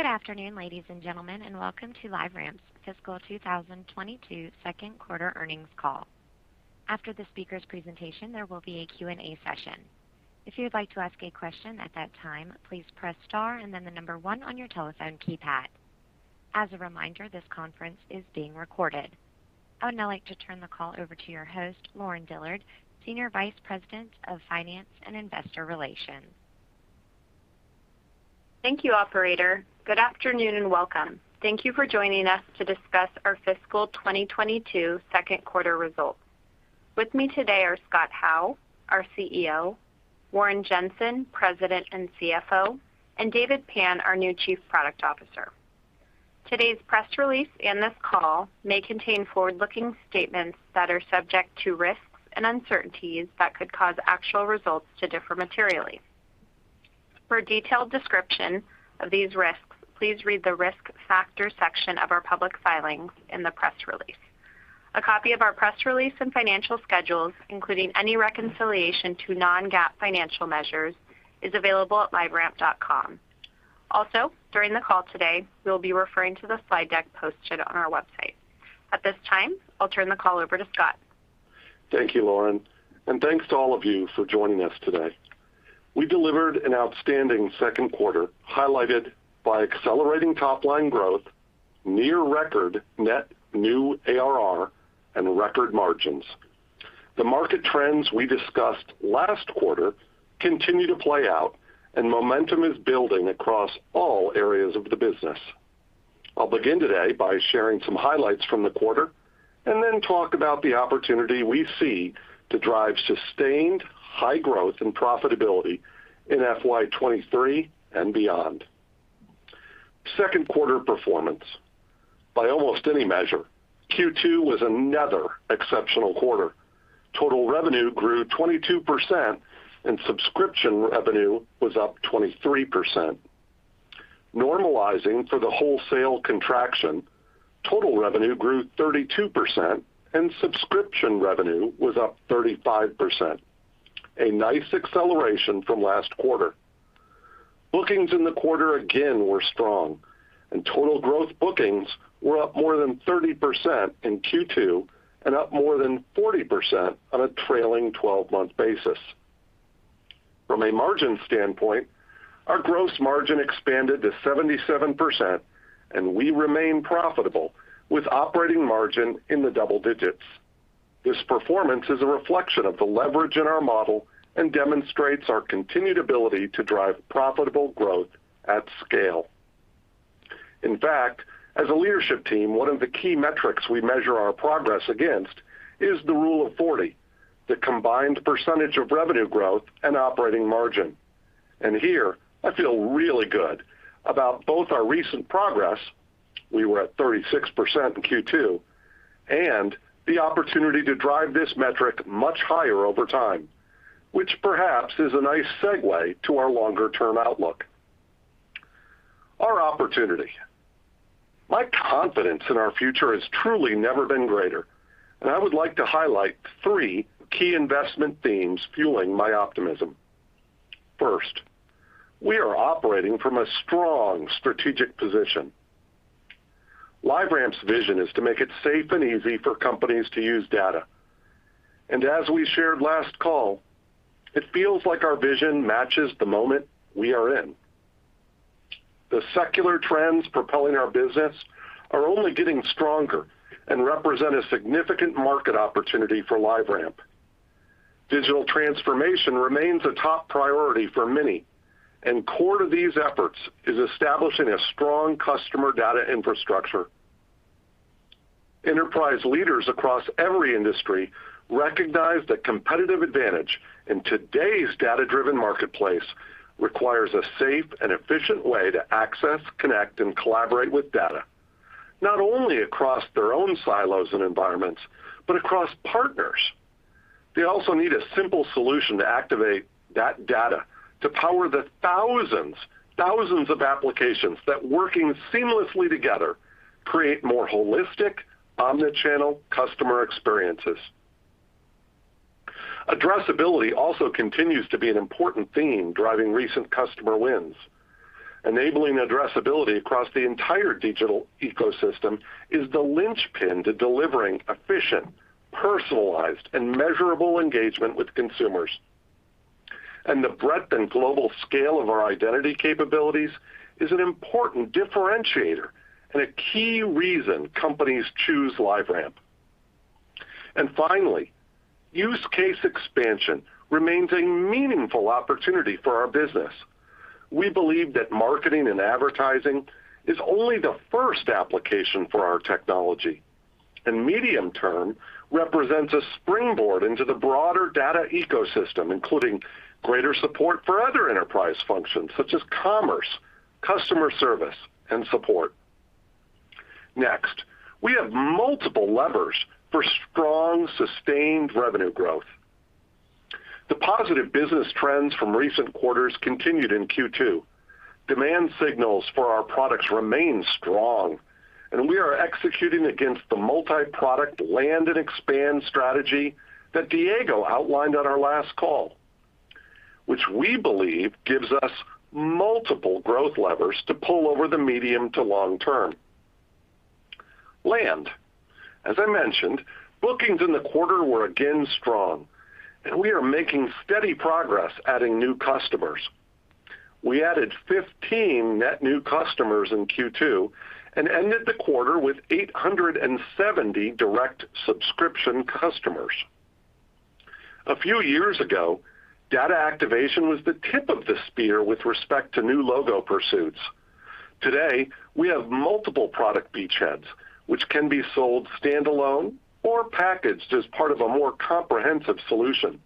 Good afternoon, ladies and gentlemen, and welcome to LiveRamp's fiscal 2022 Q2 earnings call. After the speaker's presentation, there will be a Q&A session. If you would like to ask a question at that time, please press Star and then the number one on your telephone keypad. As a reminder, this conference is being recorded. I would now like to turn the call over to your host, Lauren Dillard, Senior Vice President of Finance and Investor Relations. Thank you, operator. Good afternoon, and welcome. Thank you for joining us to discuss our fiscal 2022 Q2 results. With me today are Scott Howe, our CEO, Warren Jenson, President and CFO, and David Pann, our new Chief Product Officer. Today's press release and this call may contain forward-looking statements that are subject to risks and uncertainties that could cause actual results to differ materially. For a detailed description of these risks, please read the Risk Factors section of our public filings in the press release. A copy of our press release and financial schedules, including any reconciliation to non-GAAP financial measures, is available at liveramp.com. Also, during the call today, we'll be referring to the slide deck posted on our website. At this time, I'll turn the call over to Scott. Thank you, Lauren, and thanks to all of you for joining us today. We delivered an outstanding Q2, highlighted by accelerating top-line growth, near-record net new ARR, and record margins. The market trends we discussed last quarter continue to play out, and momentum is building across all areas of the business. I'll begin today by sharing some highlights from the quarter and then talk about the opportunity we see to drive sustained high growth and profitability in FY 2023 and beyond. Q2 performance. By almost any measure, Q2 was another exceptional quarter. Total revenue grew 22%, and subscription revenue was up 23%. Normalizing for the wholesale contraction, total revenue grew 32%, and subscription revenue was up 35%. A nice acceleration from last quarter. Bookings in the quarter again were strong, and total growth bookings were up more than 30% in Q2 and up more than 40% on a trailing twelve-month basis. From a margin standpoint, our gross margin expanded to 77%, and we remain profitable with operating margin in the double digits. This performance is a reflection of the leverage in our model and demonstrates our continued ability to drive profitable growth at scale. In fact, as a leadership team, one of the key metrics we measure our progress against is the Rule of 40, the combined percentage of revenue growth and operating margin. Here I feel really good about both our recent progress, we were at 36% in Q2, and the opportunity to drive this metric much higher over time, which perhaps is a nice segue to our longer-term outlook. Our opportunity. My confidence in our future has truly never been greater, and I would like to highlight three key investment themes fueling my optimism. First, we are operating from a strong strategic position. LiveRamp's vision is to make it safe and easy for companies to use data. As we shared last call, it feels like our vision matches the moment we are in. The secular trends propelling our business are only getting stronger and represent a significant market opportunity for LiveRamp. Digital transformation remains a top priority for many, and core to these efforts is establishing a strong customer data infrastructure. Enterprise leaders across every industry recognize that competitive advantage in today's data-driven marketplace requires a safe and efficient way to access, connect, and collaborate with data, not only across their own silos and environments, but across partners. They also need a simple solution to activate that data to power the thousands of applications that, working seamlessly together, create more holistic omnichannel customer experiences. Addressability also continues to be an important theme driving recent customer wins. Enabling addressability across the entire digital ecosystem is the linchpin to delivering efficient, personalized, and measurable engagement with consumers. The breadth and global scale of our identity capabilities is an important differentiator and a key reason companies choose LiveRamp. Finally, use case expansion remains a meaningful opportunity for our business. We believe that marketing and advertising is only the first application for our technology, and medium-term represents a springboard into the broader data ecosystem, including greater support for other enterprise functions such as commerce, customer service, and support. Next, we have multiple levers for strong, sustained revenue growth. The positive business trends from recent quarters continued in Q2. Demand signals for our products remain strong. We are executing against the multiproduct land and expand strategy that Diego outlined on our last call, which we believe gives us multiple growth levers to pull over the medium to long-term. Land. As I mentioned, bookings in the quarter were again strong, and we are making steady progress adding new customers. We added 15 net new customers in Q2 and ended the quarter with 870 direct subscription customers. A few years ago, data activation was the tip of the spear with respect to new logo pursuits. Today, we have multiple product beachheads, which can be sold standalone or packaged as part of a more comprehensive solution.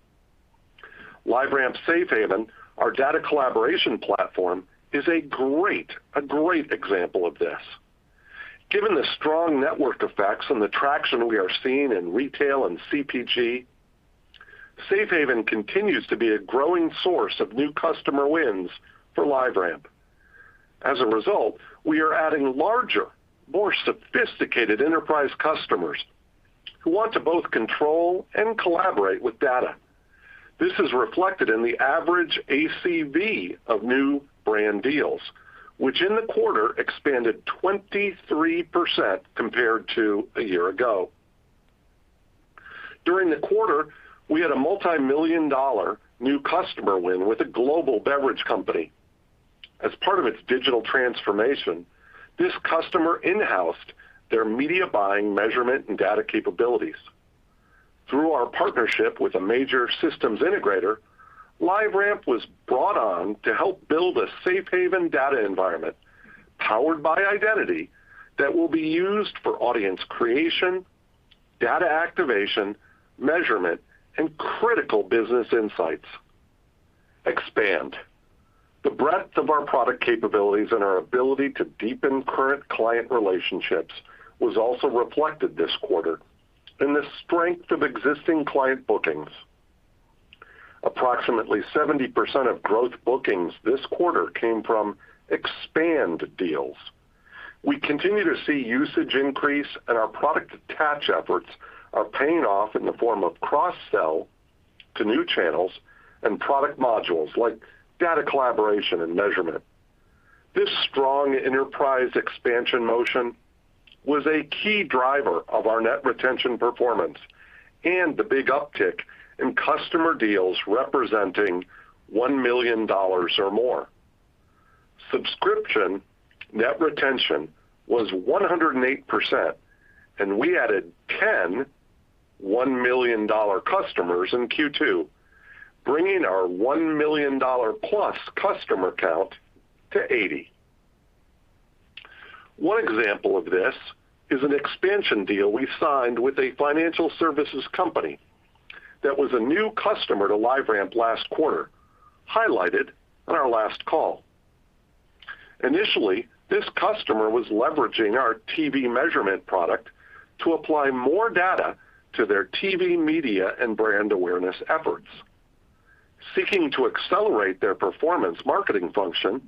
LiveRamp Safe Haven, our data collaboration platform, is a great example of this. Given the strong network effects and the traction we are seeing in retail and CPG, Safe Haven continues to be a growing source of new customer wins for LiveRamp. As a result, we are adding larger, more sophisticated enterprise customers who want to both control and collaborate with data. This is reflected in the average ACV of new brand deals, which in the quarter expanded 23% compared to a year ago. During the quarter, we had a multi-million new customer win with a global beverage company. As part of its digital transformation, this customer in-housed their media buying measurement and data capabilities. Through our partnership with a major systems integrator, LiveRamp was brought on to help build a Safe Haven data environment powered by identity that will be used for audience creation, data activation, measurement, and critical business insights. The breadth of our product capabilities and our ability to deepen current client relationships was also reflected this quarter in the strength of existing client bookings. Approximately 70% of growth bookings this quarter came from expand deals. We continue to see usage increase, and our product attach efforts are paying off in the form of cross-sell to new channels and product modules like data collaboration and measurement. This strong enterprise expansion motion was a key driver of our net retention performance and the big uptick in customer deals representing $1 million or more. Subscription net retention was 108%, and we added 10 $1 million customers in Q2, bringing our $1 million+ customer count to 80. One example of this is an expansion deal we signed with a financial services company that was a new customer to LiveRamp last quarter, highlighted on our last call. Initially, this customer was leveraging our TV measurement product to apply more data to their TV media and brand awareness efforts. Seeking to accelerate their performance marketing function,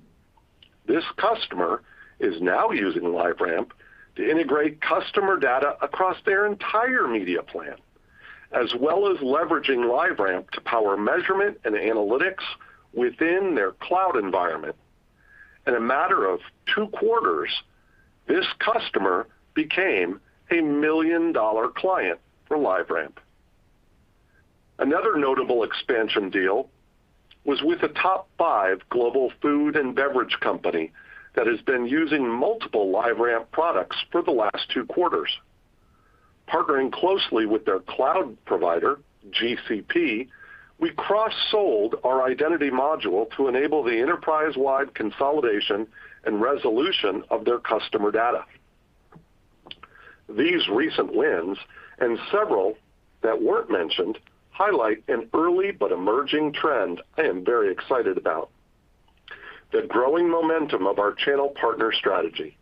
this customer is now using LiveRamp to integrate customer data across their entire media plan, as well as leveraging LiveRamp to power measurement and analytics within their cloud environment. In a matter of two quarters, this customer became a million-dollar client for LiveRamp. Another notable expansion deal was with a top five global food and beverage company that has been using multiple LiveRamp products for the last two quarters. Partnering closely with their cloud provider, GCP, we cross-sold our identity module to enable the enterprise-wide consolidation and resolution of their customer data. These recent wins, and several that weren't mentioned, highlight an early but emerging trend I am very excited about, the growing momentum of our channel partner strategy.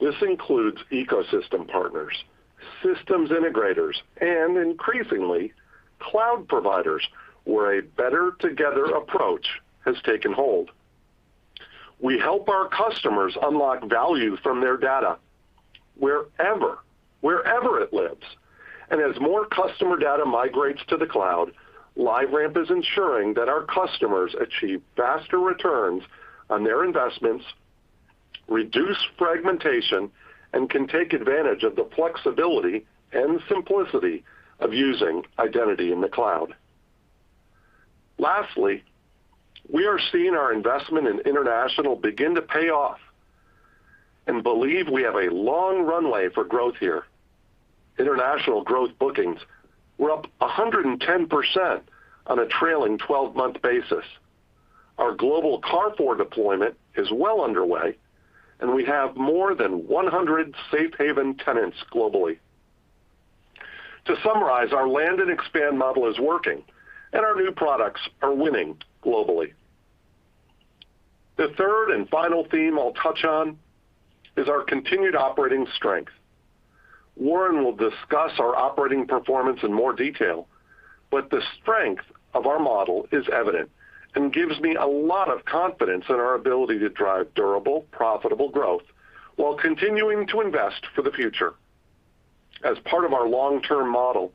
This includes ecosystem partners, systems integrators, and increasingly cloud providers, where a better together approach has taken hold. We help our customers unlock value from their data wherever it lives. As more customer data migrates to the cloud, LiveRamp is ensuring that our customers achieve faster returns on their investments, reduce fragmentation, and can take advantage of the flexibility and simplicity of using identity in the cloud. Lastly, we are seeing our investment in international begin to pay off and believe we have a long runway for growth here. International growth bookings were up 110% on a trailing twelve-month basis. Our global Carrefour deployment is well underway, and we have more than 100 Safe Haven tenants globally. To summarize, our land and expand model is working, and our new products are winning globally. The third and final theme I'll touch on is our continued operating strength. Warren will discuss our operating performance in more detail, but the strength of our model is evident and gives me a lot of confidence in our ability to drive durable, profitable growth while continuing to invest for the future. As part of our long-term model,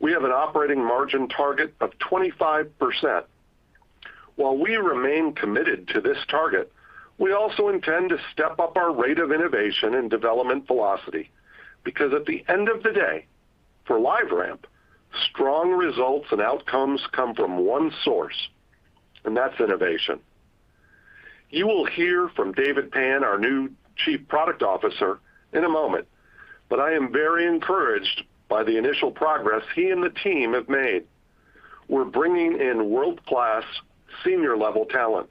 we have an operating margin target of 25%. While we remain committed to this target, we also intend to step up our rate of innovation and development velocity because at the end of the day, for LiveRamp, strong results and outcomes come from one source, and that's innovation. You will hear from David Pann, our new Chief Product Officer, in a moment, but I am very encouraged by the initial progress he and the team have made. We're bringing in world-class, senior-level talent.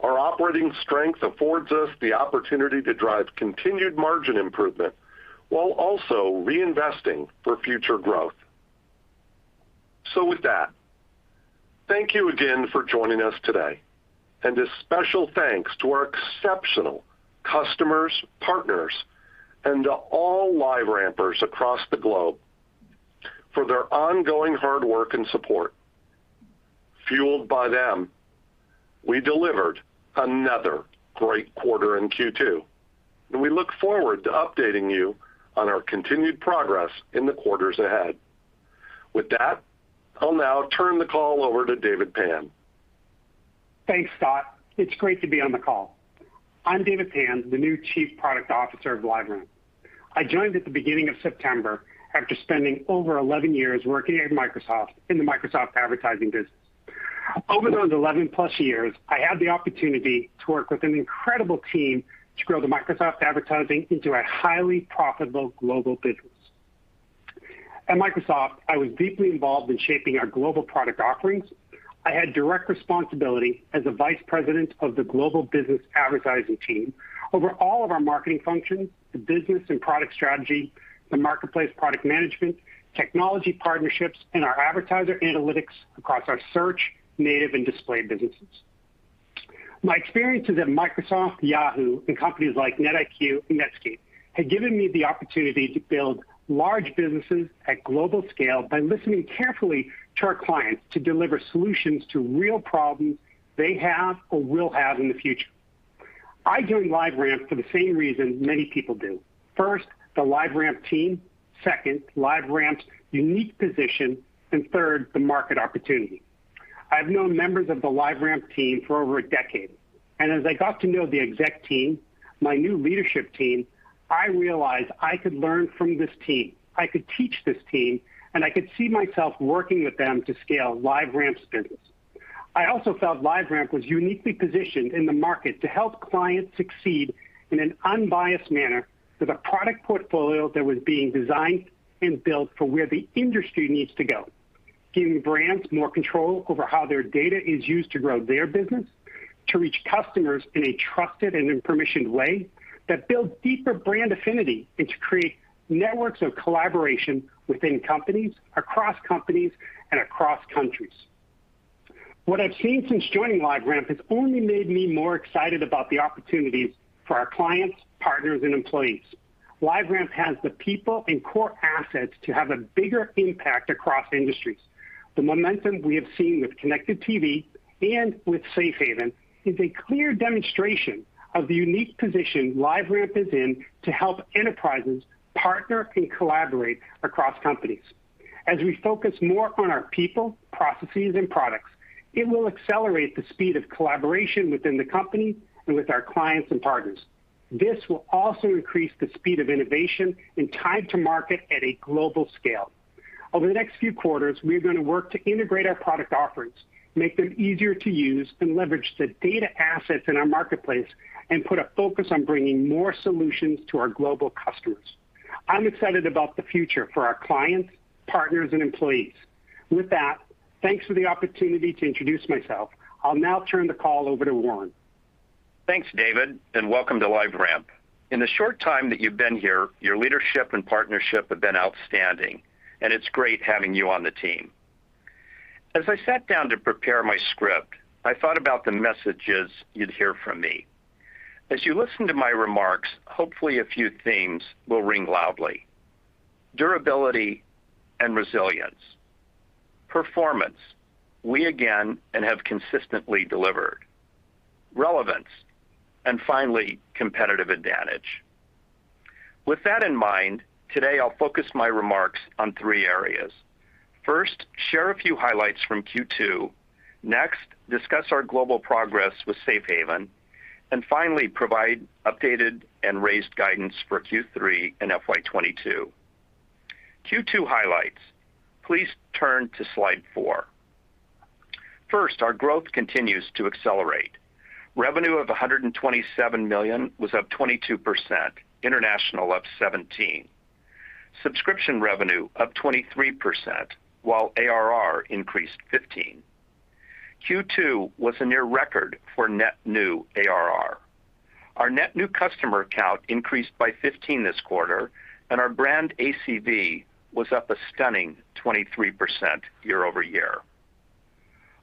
Our operating strength affords us the opportunity to drive continued margin improvement while also reinvesting for future growth. With that, thank you again for joining us today. A special thanks to our exceptional customers, partners, and to all LiveRampers across the globe for their ongoing hard work and support. Fueled by them, we delivered another great quarter in Q2, and we look forward to updating you on our continued progress in the quarters ahead. With that, I'll now turn the call over to David Pann. Thanks, Scott. It's great to be on the call. I'm David Pann, the new Chief Product Officer of LiveRamp. I joined at the beginning of September after spending over 11 years working at Microsoft in the Microsoft Advertising business. Over those 11-plus years, I had the opportunity to work with an incredible team to grow the Microsoft Advertising into a highly profitable global business. At Microsoft, I was deeply involved in shaping our global product offerings. I had direct responsibility as a vice president of the Global Business Advertising team over all of our marketing functions, the business and product strategy, the marketplace product management, technology partnerships, and our advertiser analytics across our search, native, and display businesses. My experiences at Microsoft, Yahoo, and companies like NetIQ and Netscape have given me the opportunity to build large businesses at global scale by listening carefully to our clients to deliver solutions to real problems they have or will have in the future. I joined LiveRamp for the same reason many people do. First, the LiveRamp team. Second, LiveRamp's unique position. Third, the market opportunity. I've known members of the LiveRamp team for over a decade, and as I got to know the exec team, my new leadership team, I realized I could learn from this team, I could teach this team, and I could see myself working with them to scale LiveRamp's business. I also felt LiveRamp was uniquely positioned in the market to help clients succeed in an unbiased manner with a product portfolio that was being designed and built for where the industry needs to go, giving brands more control over how their data is used to grow their business, to reach customers in a trusted and informative way that builds deeper brand affinity, and to create networks of collaboration within companies, across companies, and across countries. What I've seen since joining LiveRamp has only made me more excited about the opportunities for our clients, partners, and employees. LiveRamp has the people and core assets to have a bigger impact across industries. The momentum we have seen with Connected TV and with Safe Haven is a clear demonstration of the unique position LiveRamp is in to help enterprises partner and collaborate across companies. As we focus more on our people, processes, and products, it will accelerate the speed of collaboration within the company and with our clients and partners. This will also increase the speed of innovation and time to market at a global scale. Over the next few quarters, we are gonna work to integrate our product offerings, make them easier to use, and leverage the data assets in our Marketplace, and put a focus on bringing more solutions to our global customers. I'm excited about the future for our clients, partners, and employees. With that, thanks for the opportunity to introduce myself. I'll now turn the call over to Warren. Thanks, David, and welcome to LiveRamp. In the short time that you've been here, your leadership and partnership have been outstanding, and it's great having you on the team. As I sat down to prepare my script, I thought about the messages you'd hear from me. As you listen to my remarks, hopefully a few themes will ring loudly. Durability and resilience. Performance. We have again and again consistently delivered. Relevance. Finally, competitive advantage. With that in mind, today I'll focus my remarks on three areas. First, I'll share a few highlights from Q2. Next, I'll discuss our global progress with Safe Haven. Finally, I'll provide updated and raised guidance for Q3 and FY 2022. Q2 highlights. Please turn to slide four. First, our growth continues to accelerate. Revenue of $127 million was up 22%, international up 17%. Subscription revenue up 23%, while ARR increased 15%. Q2 was a near record for net new ARR. Our net new customer count increased by 15 this quarter, and our brand ACV was up a stunning 23% quarter-over-quarter.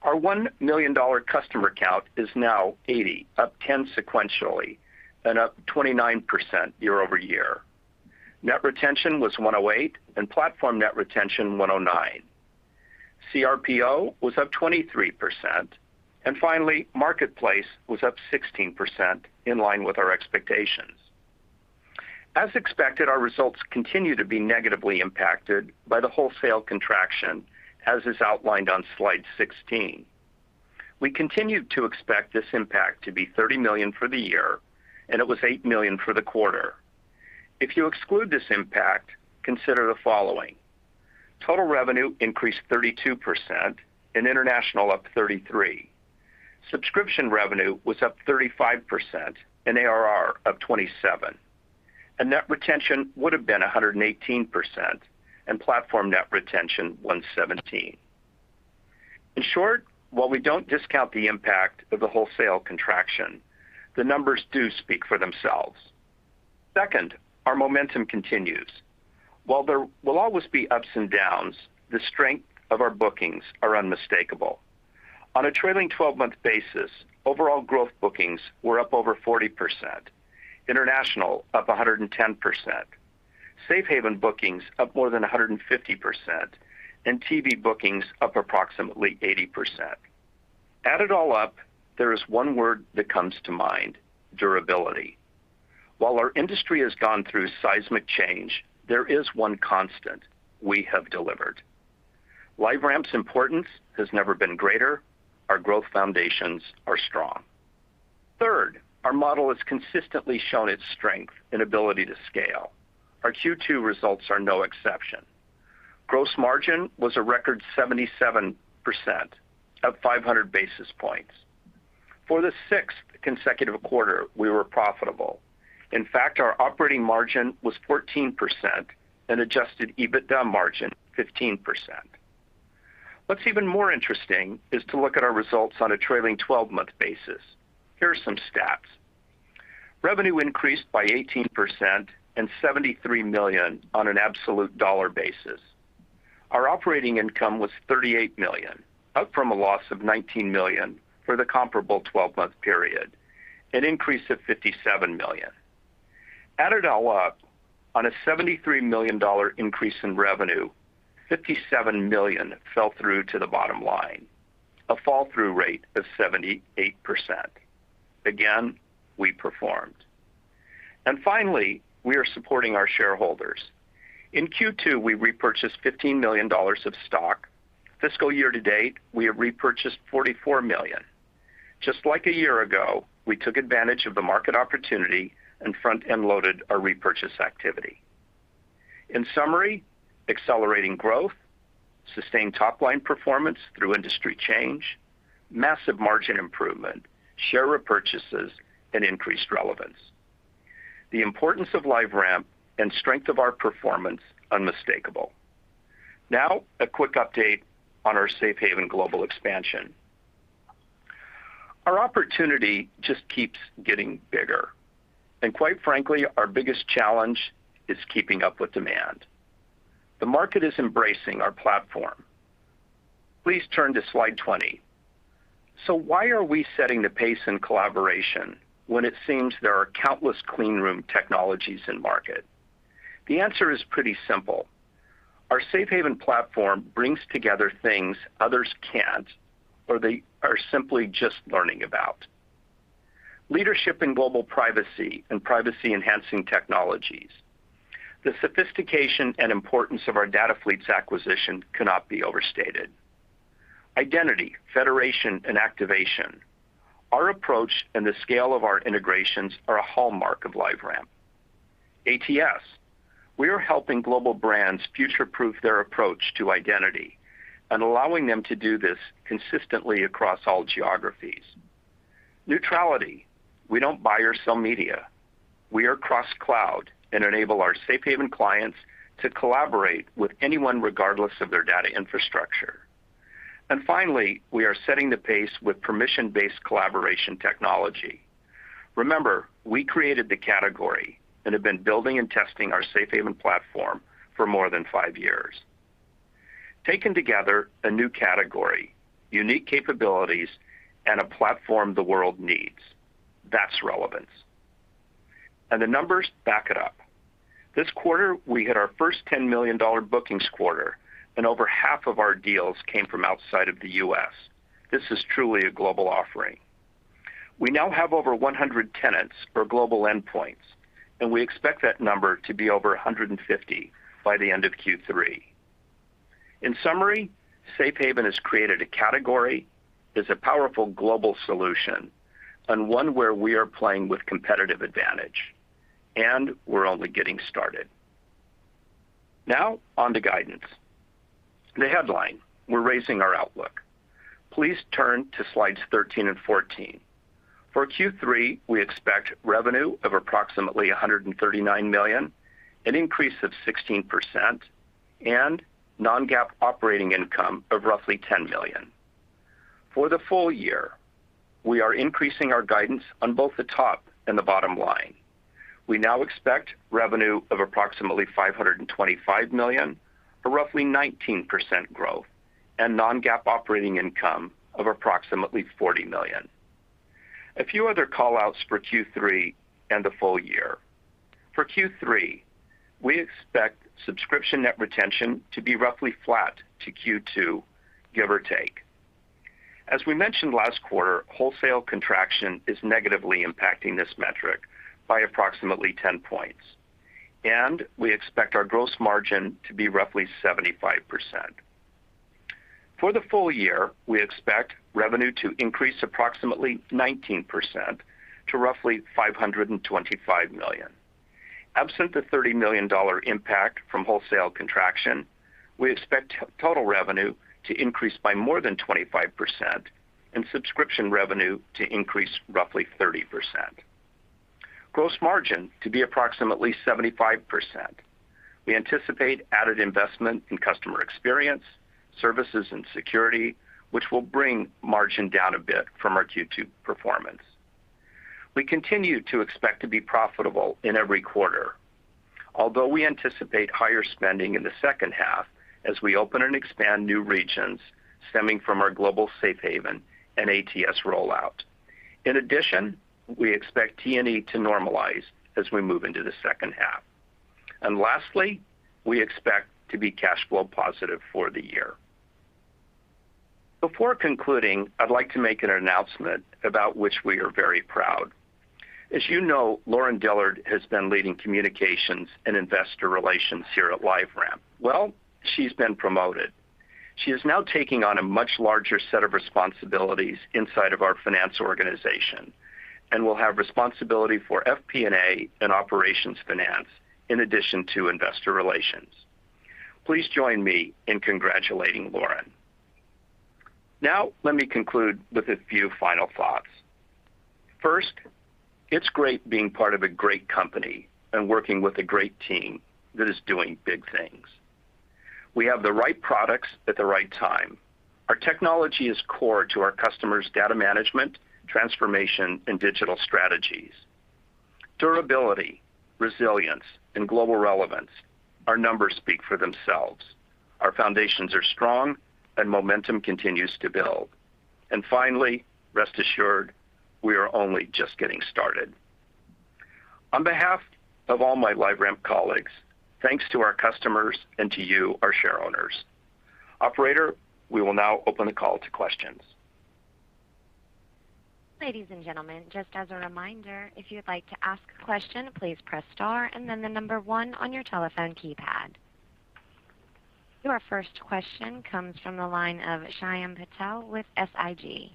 Our $1 million customer count is now 80, up 10 sequentially, and up 29% quarter-over-quarter. Net retention was 108, and platform net retention 109. CRPO was up 23%. Finally, Marketplace was up 16%, in line with our expectations. As expected, our results continue to be negatively impacted by the wholesale contraction, as is outlined on slide 16. We continued to expect this impact to be $30 million for the year, and it was $8 million for the quarter. If you exclude this impact, consider the following. Total revenue increased 32% and international up 33%. Subscription revenue was up 35% and ARR of 27%. Net retention would have been 118%, and platform net retention 117. In short, while we don't discount the impact of the wholesale contraction, the numbers do speak for themselves. Second, our momentum continues. While there will always be ups and downs, the strength of our bookings are unmistakable. On a trailing twelve-month basis, overall growth bookings were up over 40%, international up 110%. Safe Haven bookings up more than 150%, and TV bookings up approximately 80%. Add it all up, there is one word that comes to mind, durability. While our industry has gone through seismic change, there is one constant, we have delivered. LiveRamp's importance has never been greater. Our growth foundations are strong. Third, our model has consistently shown its strength and ability to scale. Our Q2 results are no exception. Gross margin was a record 77%, up 500 basis points. For the 6th consecutive quarter, we were profitable. In fact, our operating margin was 14% and adjusted EBITDA margin 15%. What's even more interesting is to look at our results on a trailing twelve-month basis. Here are some stats. Revenue increased by 18% and $73 million on an absolute dollar basis. Our operating income was $38 million, up from a loss of $19 million for the comparable twelve-month period, an increase of $57 million. Add it all up, on a $73 million dollar increase in revenue, $57 million fell through to the bottom line, a fall-through rate of 78%. Again, we performed. Finally, we are supporting our shareholders. In Q2, we repurchased $15 million dollars of stock. Fiscal year to date, we have repurchased $44 million. Just like a year ago, we took advantage of the market opportunity and front-end loaded our repurchase activity. In summary, accelerating growth, sustained top-line performance through industry change, massive margin improvement, share repurchases, and increased relevance. The importance of LiveRamp and strength of our performance unmistakable. Now, a quick update on our Safe Haven global expansion. Our opportunity just keeps getting bigger. Quite frankly, our biggest challenge is keeping up with demand. The market is embracing our platform. Please turn to slide 20. Why are we setting the pace in collaboration when it seems there are countless clean room technologies in market? The answer is pretty simple. Our Safe Haven platform brings together things others can't, or they are simply just learning about. Leadership in global privacy and privacy enhancing technologies. The sophistication and importance of our DataFleets acquisition cannot be overstated. Identity, federation, and activation. Our approach and the scale of our integrations are a hallmark of LiveRamp. ATS, we are helping global brands future-proof their approach to identity and allowing them to do this consistently across all geographies. Neutrality, we don't buy or sell media. We are cross-cloud and enable our Safe Haven clients to collaborate with anyone regardless of their data infrastructure. Finally, we are setting the pace with permission-based collaboration technology. Remember, we created the category and have been building and testing our Safe Haven platform for more than five years. Taken together, a new category, unique capabilities, and a platform the world needs. That's relevance. The numbers back it up. This quarter, we had our first $10 million bookings quarter, and over half of our deals came from outside of the U.S. This is truly a global offering. We now have over 100 tenants or global endpoints, and we expect that number to be over 150 by the end of Q3. In summary, Safe Haven has created a category, is a powerful global solution, and one where we are playing with competitive advantage, and we're only getting started. Now, onto guidance. The headline, we're raising our outlook. Please turn to slides 13 and 14. For Q3, we expect revenue of approximately $139 million, an increase of 16%, and non-GAAP operating income of roughly $10 million. For the full year, we are increasing our guidance on both the top and the bottom line. We now expect revenue of approximately $525 million, or roughly 19% growth, and non-GAAP operating income of approximately $40 million. A few other call-outs for Q3 and the full year. For Q3, we expect subscription net retention to be roughly flat to Q2, give or take. As we mentioned last quarter, wholesale contraction is negatively impacting this metric by approximately 10 points, and we expect our gross margin to be roughly 75%. For the full year, we expect revenue to increase approximately 19% to roughly $525 million. Absent the $30 million impact from wholesale contraction, we expect total revenue to increase by more than 25% and subscription revenue to increase roughly 30%. Gross margin to be approximately 75%. We anticipate added investment in customer experience, services and security, which will bring margin down a bit from our Q2 performance. We continue to expect to be profitable in every quarter. Although we anticipate higher spending in the H2 as we open and expand new regions stemming from our global Safe Haven and ATS rollout. In addition, we expect T&E to normalize as we move into the H2. Lastly, we expect to be cash flow positive for the year. Before concluding, I'd like to make an announcement about which we are very proud. As you know, Lauren Dillard has been leading communications and investor relations here at LiveRamp. Well, she's been promoted. She is now taking on a much larger set of responsibilities inside of our finance organization, and will have responsibility for FP&A and operations finance, in addition to investor relations. Please join me in congratulating Lauren. Now let me conclude with a few final thoughts. First, it's great being part of a great company and working with a great team that is doing big things. We have the right products at the right time. Our technology is core to our customers' data management, transformation, and digital strategies. Durability, resilience, and global relevance. Our numbers speak for themselves. Our foundations are strong, and momentum continues to build. Finally, rest assured, we are only just getting started. On behalf of all my LiveRamp colleagues, thanks to our customers and to you, our shareowners. Operator, we will now open the call to questions. Ladies and gentlemen, just as a reminder, if you'd like to ask a question, please press star and then the number one on your telephone keypad. Your first question comes from the line of Shyam Patil with SIG.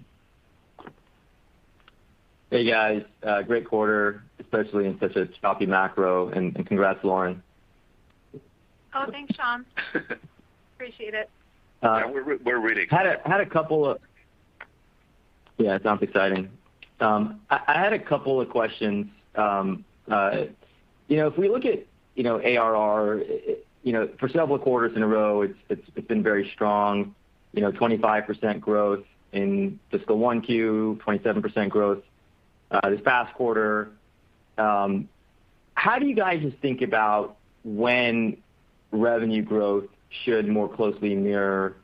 Hey, guys. Great quarter, especially in such a choppy macro. Congrats, Lauren. Oh, thanks, Shyam. Appreciate it. Yeah, we're really excited. Yeah, it sounds exciting. I had a couple of questions. You know, if we look at ARR for several quarters in a row, it's been very strong, you know, 25% growth in fiscal 1Q, 27% growth this past quarter. How do you guys think about when revenue growth should more closely mirror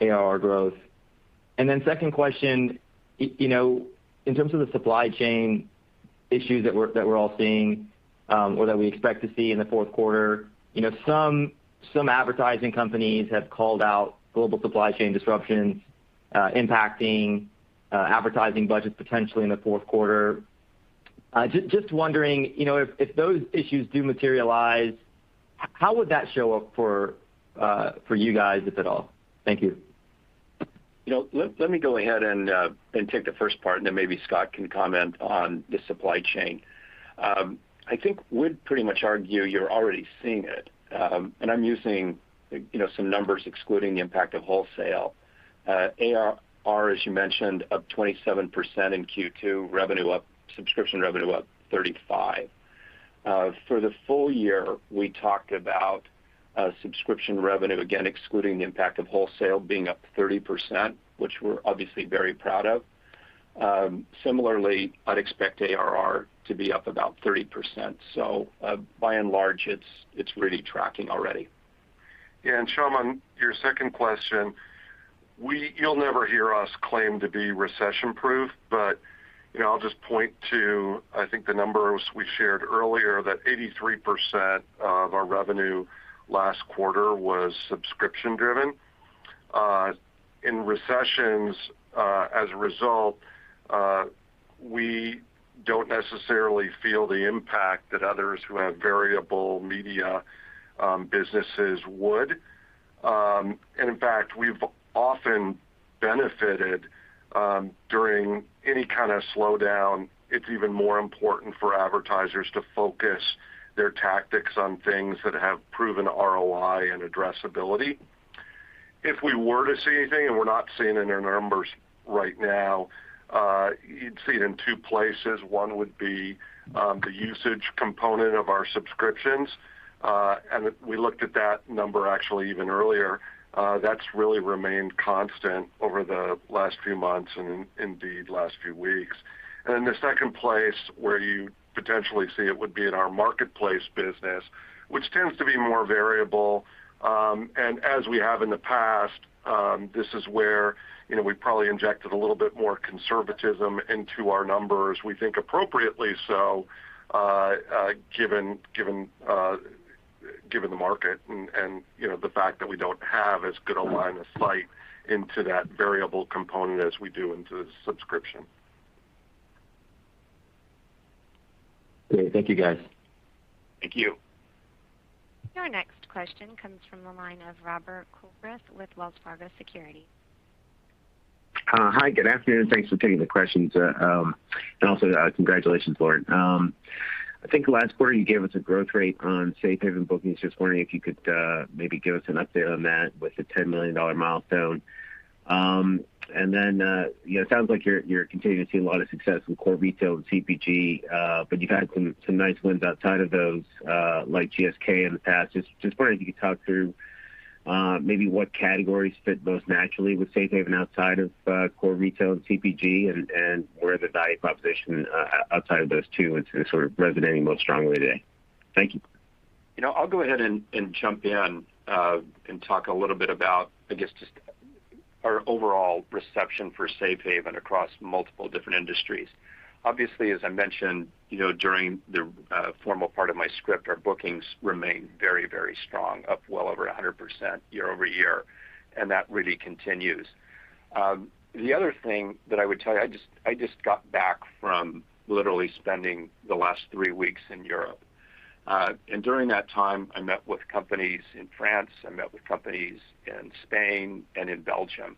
ARR growth? Second question, you know, in terms of the supply chain issues that we're all seeing or that we expect to see in the Q4, you know, some advertising companies have called out global supply chain disruptions impacting advertising budgets potentially in the Q4. Just wondering, you know, if those issues do materialize, how would that show up for you guys, if at all? Thank you. You know, let me go ahead and take the first part, and then maybe Scott can comment on the supply chain. I think we'd pretty much argue you're already seeing it. I'm using, you know, some numbers excluding the impact of wholesale. ARR, as you mentioned, up 27% in Q2. Subscription revenue up 35%. For the full year, we talked about subscription revenue, again, excluding the impact of wholesale, being up 30%, which we're obviously very proud of. Similarly, I'd expect ARR to be up about 30%. By and large, it's really tracking already. Shyam, on your second question, you'll never hear us claim to be recession-proof. You know, I'll just point to, I think, the numbers we shared earlier, that 83% of our revenue last quarter was subscription driven. In recessions, as a result, we don't necessarily feel the impact that others who have variable media businesses would. In fact, we've often benefited during any kind of slowdown. It's even more important for advertisers to focus their tactics on things that have proven ROI and addressability. If we were to see anything, and we're not seeing it in our numbers right now, you'd see it in two places. One would be the usage component of our subscriptions. We looked at that number actually even earlier. That's really remained constant over the last few months and indeed last few weeks. The second place where you potentially see it would be in our Marketplace business, which tends to be more variable. As we have in the past, this is where, you know, we probably injected a little bit more conservatism into our numbers, we think appropriately so, given the market and, you know, the fact that we don't have as good a line of sight into that variable component as we do into the subscription. Great. Thank you, guys. Thank you. Your next question comes from the line of Drew Borst with Wells Fargo Securities. Hi, good afternoon. Thanks for taking the questions. Congratulations, Lauren. I think last quarter you gave us a growth rate on Safe Haven bookings. Just wondering if you could maybe give us an update on that with the $10 million milestone. You know, it sounds like you're continuing to see a lot of success in core retail and CPG, but you've had some nice wins outside of those, like GSK in the past. Just wondering if you could talk through maybe what categories fit most naturally with Safe Haven outside of core retail and CPG and where the value proposition outside of those two is sort of resonating most strongly today. Thank you. You know, I'll go ahead and jump in and talk a little bit about, I guess, just our overall reception for Safe Haven across multiple different industries. Obviously, as I mentioned, you know, during the formal part of my script, our bookings remain very strong, up well over 100% quarter-over-quarter, and that really continues. The other thing that I would tell you, I just got back from literally spending the last three weeks in Europe. During that time, I met with companies in France, I met with companies in Spain and in Belgium.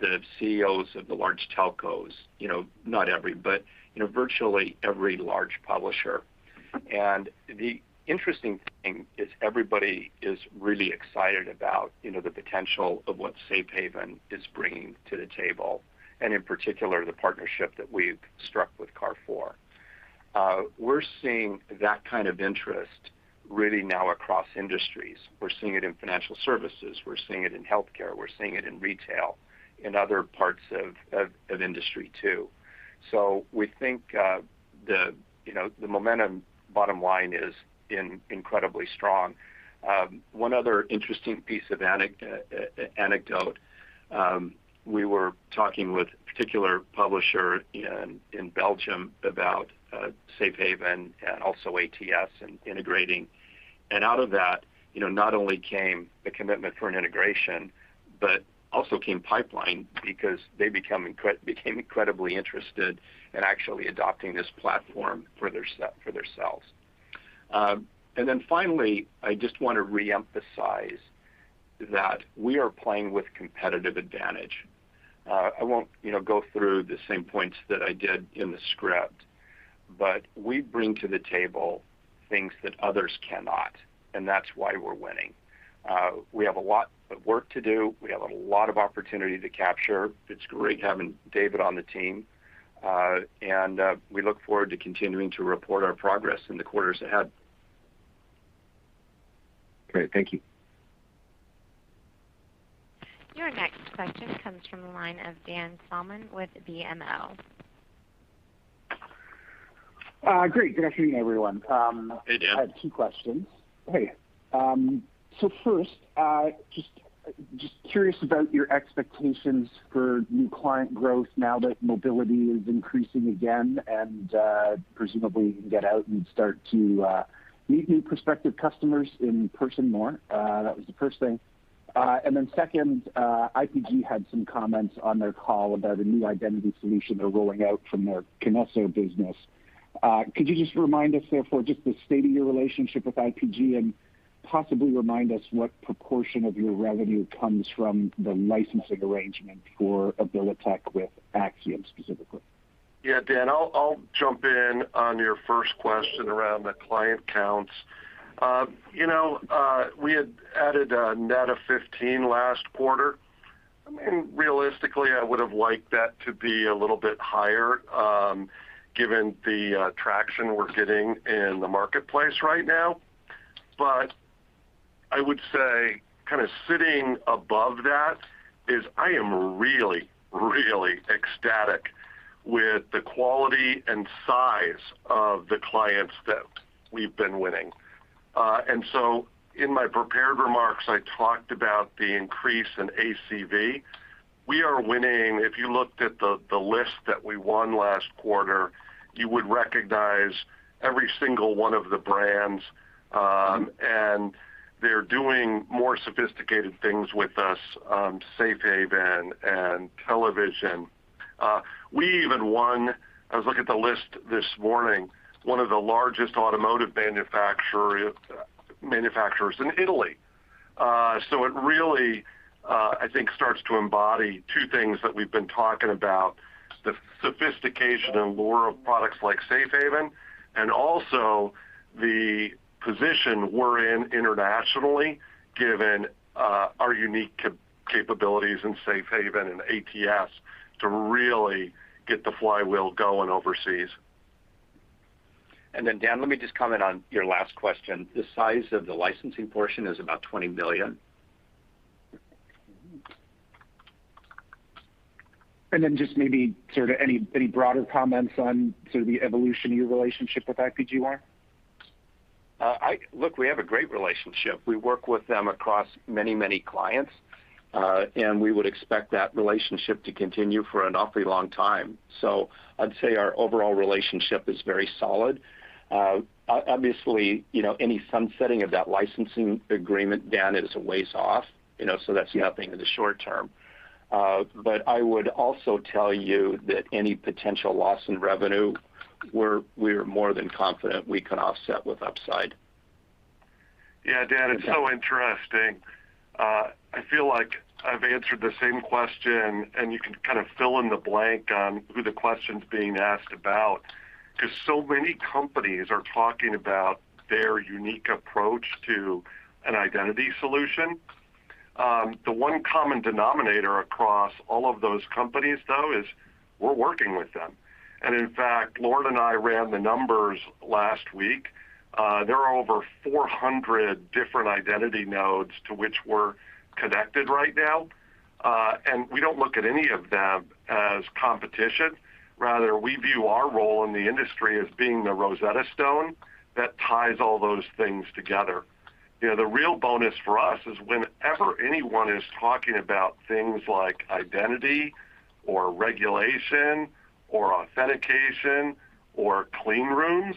The CEOs of the large telcos, you know, not every, but, you know, virtually every large publisher. The interesting thing is everybody is really excited about, you know, the potential of what Safe Haven is bringing to the table, and in particular, the partnership that we've struck with Carrefour. We're seeing that kind of interest really now across industries. We're seeing it in financial services. We're seeing it in healthcare. We're seeing it in retail, in other parts of industry too. We think, you know, the momentum bottom line is incredibly strong. One other interesting piece of anecdote, we were talking with a particular publisher in Belgium about Safe Haven and also ATS and integrating. Out of that, you know, not only came the commitment for an integration, but also came pipeline because they became incredibly interested in actually adopting this platform for themselves. Finally, I just wanna reemphasize that we are playing with competitive advantage. I won't, you know, go through the same points that I did in the script, but we bring to the table things that others cannot, and that's why we're winning. We have a lot of work to do. We have a lot of opportunity to capture. It's great having David on the team, and we look forward to continuing to report our progress in the quarters ahead. Great. Thank you. Your next question comes from the line of Dan Salmon with BMO. Great. Good afternoon, everyone. Hey, Dan. I have two questions. Hey. First, just curious about your expectations for new client growth now that mobility is increasing again and, presumably you can get out and start to meet new prospective customers in person more. That was the first thing. Second, IPG had some comments on their call about a new identity solution they're rolling out from their Kinesso business. Could you just remind us therefore just the state of your relationship with IPG and possibly remind us what proportion of your revenue comes from the licensing arrangement for AbiliTec with Acxiom specifically? Yeah. Dan, I'll jump in on your first question around the client counts. You know, we had added a net of 15 last quarter. I mean, realistically, I would've liked that to be a little bit higher, given the traction we're getting in the Marketplace right now. I would say kinda sitting above that is I am really ecstatic with the quality and size of the clients that we've been winning. In my prepared remarks, I talked about the increase in ACV. We are winning. If you looked at the list that we won last quarter, you would recognize every single one of the brands, and they're doing more sophisticated things with us, Safe Haven and Television. We even won. I was looking at the list this morning, one of the largest automotive manufacturers in Italy. It really, I think, starts to embody two things that we've been talking about, the sophistication and lure of products like Safe Haven and also the position we're in internationally given our unique capabilities in Safe Haven and ATS to really get the flywheel going overseas. Dan, let me just comment on your last question. The size of the licensing portion is about $20 million. Just maybe sort of any broader comments on sort of the evolution of your relationship with IPG? Look, we have a great relationship. We work with them across many, many clients. We would expect that relationship to continue for an awfully long time. I'd say our overall relationship is very solid. Obviously, you know, any sunsetting of that licensing agreement, Dan, is a ways off, you know, so that's nothing in the short-term. I would also tell you that any potential loss in revenue, we're more than confident we can offset with upside. Yeah, Dan, it's so interesting. I feel like I've answered the same question, and you can kind of fill in the blank on who the question's being asked about, because so many companies are talking about their unique approach to an identity solution. The one common denominator across all of those companies, though, is we're working with them. In fact, Lloyd and I ran the numbers last week. There are over 400 different identity nodes to which we're connected right now. We don't look at any of them as competition. Rather, we view our role in the industry as being the Rosetta Stone that ties all those things together. You know, the real bonus for us is whenever anyone is talking about things like identity or regulation or authentication or clean rooms,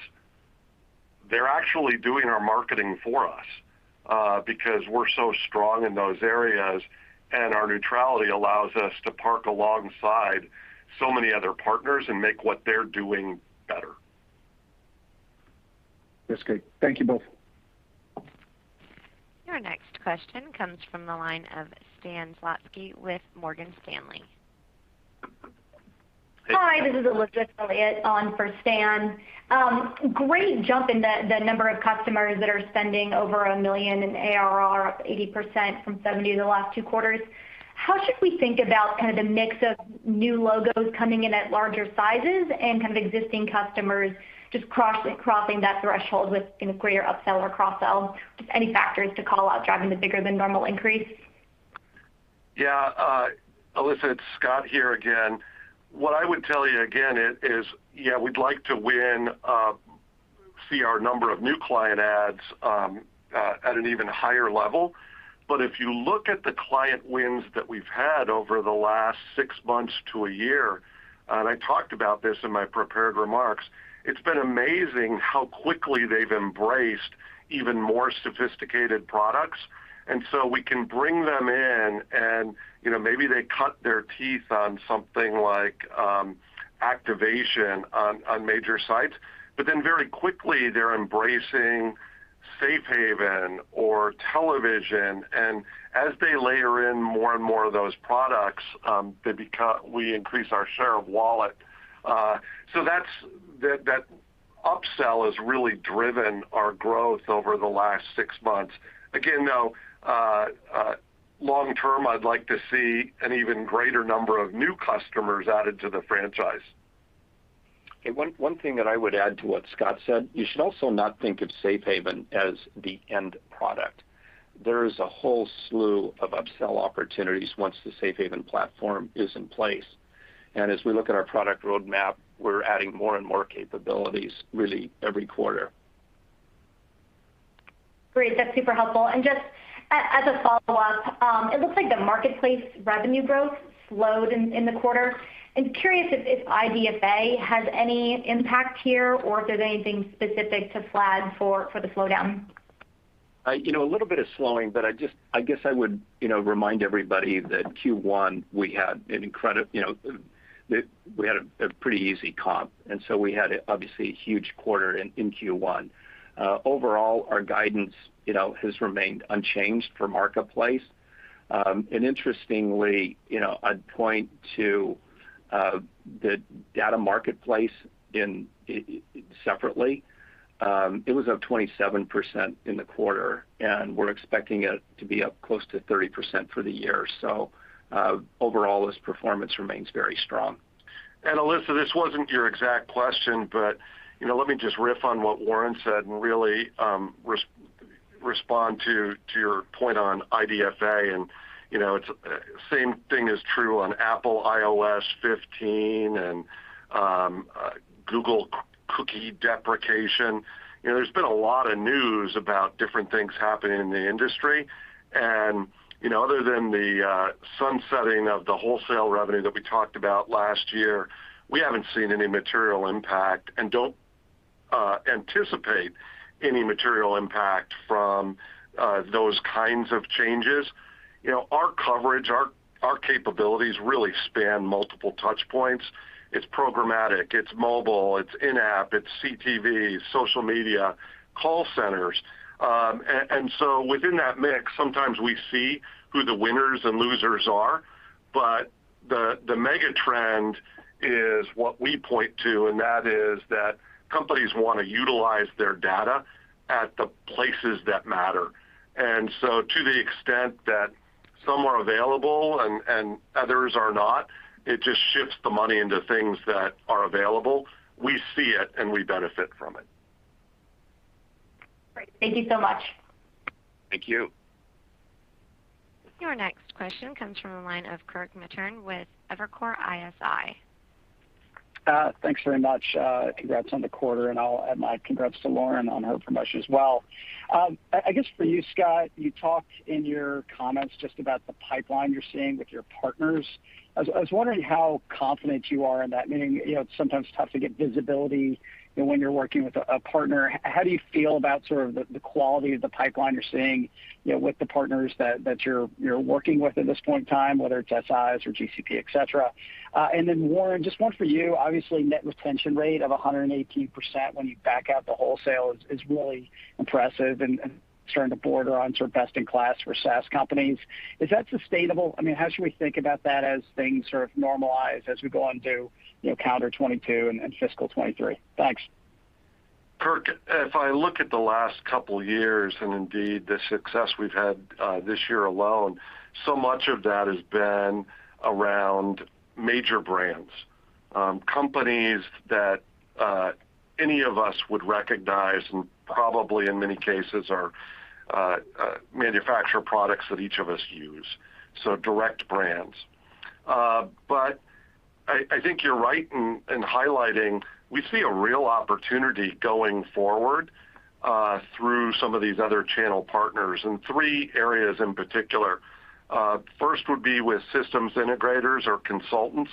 they're actually doing our marketing for us, because we're so strong in those areas, and our neutrality allows us to park alongside so many other partners and make what they're doing better. That's great. Thank you both. Your next question comes from the line of Stan Zlotsky with Morgan Stanley. Hi, this is Elizabeth Porter on for Stan. Great jump in the number of customers that are spending over $1 million in ARR, up 80% from 70 the last two quarters. How should we think about kind of the mix of new logos coming in at larger sizes and kind of existing customers just crossing that threshold with, you know, greater upsell or cross-sell? Just any factors to call out driving the bigger than normal increase. Yeah. Elizabeth, Scott here again. What I would tell you again is, yeah, we'd like to see our number of new client adds at an even higher level. If you look at the client wins that we've had over the last six months to a year, and I talked about this in my prepared remarks, it's been amazing how quickly they've embraced even more sophisticated products. We can bring them in and, you know, maybe they cut their teeth on something like activation on major sites. Then very quickly, they're embracing Safe Haven or television. As they layer in more and more of those products, we increase our share of wallet. So that's that upsell has really driven our growth over the last six months. Again, though, long-term, I'd like to see an even greater number of new customers added to the franchise. One thing that I would add to what Scott said, you should also not think of Safe Haven as the end product. There is a whole slew of upsell opportunities once the Safe Haven platform is in place. As we look at our product roadmap, we're adding more and more capabilities really every quarter. Great. That's super helpful. Just as a follow-up, it looks like the Marketplace revenue growth slowed in the quarter. I'm curious if IDFA has any impact here or if there's anything specific to flag for the slowdown. You know, a little bit of slowing, but I guess I would remind everybody that in Q1, we had a pretty easy comp, and so we had, obviously, a huge quarter in Q1. Overall, our guidance has remained unchanged for Marketplace. Interestingly, you know, I'd point to the Data Marketplace separately. It was up 27% in the quarter, and we're expecting it to be up close to 30% for the year. Overall, this performance remains very strong. Elizabeth Porter, this wasn't your exact question, but, you know, let me just riff on what Warren said and really, respond to your point on IDFA. You know, it's the same thing is true on Apple iOS 15 and Google cookie deprecation. You know, there's been a lot of news about different things happening in the industry. You know, other than the sunsetting of the wholesale revenue that we talked about last year, we haven't seen any material impact and don't anticipate any material impact from those kinds of changes. You know, our coverage, our capabilities really span multiple touch points. It's programmatic, it's mobile, it's in-app, it's CTV, social media, call centers. Within that mix, sometimes we see who the winners and losers are. The megatrend is what we point to, and that is that companies want to utilize their data at the places that matter. To the extent that some are available and others are not, it just shifts the money into things that are available. We see it and we benefit from it. Great. Thank you so much. Thank you. Your next question comes from the line of Kirk Materne with Evercore ISI. Thanks very much. Congrats on the quarter, and I'll add my congrats to Warren on her promotion as well. I guess for you, Scott, you talked in your comments just about the pipeline you're seeing with your partners. I was wondering how confident you are in that, meaning, you know, it's sometimes tough to get visibility, you know, when you're working with a partner. How do you feel about sort of the quality of the pipeline you're seeing, you know, with the partners that you're working with at this point in time, whether it's SIs or GCP, et cetera? And then Warren, just one for you. Obviously, net retention rate of 118% when you back out the wholesale is really impressive and starting to border on sort of best in class for SaaS companies. Is that sustainable? I mean, how should we think about that as things sort of normalize as we go into, you know, calendar 2022 and fiscal 2023? Thanks. Kirk, if I look at the last couple years, and indeed the success we've had, this year alone, so much of that has been around major brands, companies that any of us would recognize and probably in many cases are manufacturers of products that each of us use, so direct brands. I think you're right in highlighting we see a real opportunity going forward, through some of these other channel partners in three areas in particular. First would be with systems integrators or consultants.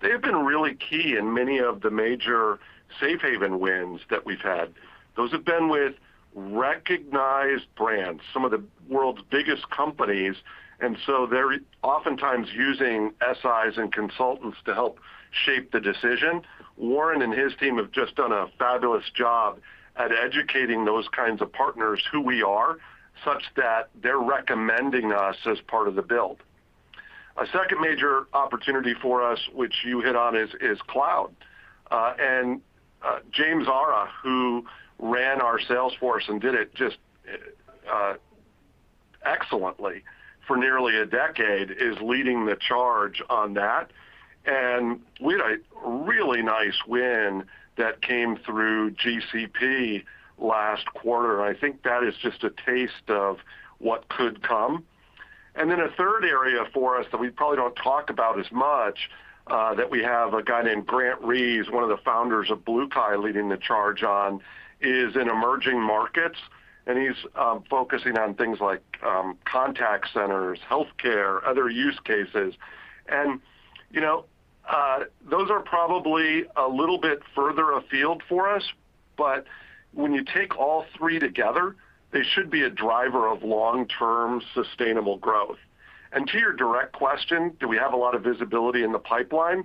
They have been really key in many of the major Safe Haven wins that we've had. Those have been with recognized brands, some of the world's biggest companies, and so they're oftentimes using SIs and consultants to help shape the decision. Warren and his team have just done a fabulous job at educating those kinds of partners who we are, such that they're recommending us as part of the build. A second major opportunity for us, which you hit on, is cloud. James Arra, who ran our sales force and did it just excellently for nearly a decade, is leading the charge on that. We had a really nice win that came through GCP last quarter. I think that is just a taste of what could come. A third area for us that we probably don't talk about as much, that we have a guy named Grant Reeves, one of the founders of BlueKai, leading the charge on, is in emerging markets, and he's focusing on things like contact centers, healthcare, other use cases. You know, those are probably a little bit further afield for us. When you take all three together, they should be a driver of long-term sustainable growth. To your direct question, do we have a lot of visibility in the pipeline?